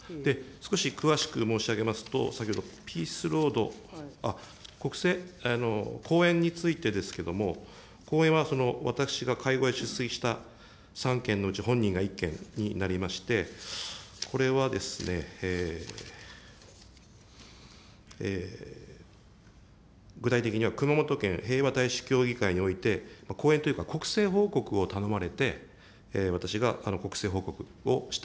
少し詳しく申し上げますと、先ほどピースロード、あっ、講演についてですけども、講演は私が会合に出席した３件のうち、本人が１件になりまして、これは具体的には熊本県平和大使協議会において、講演というか、こくせい報告を頼まれて、私が国政報告をした。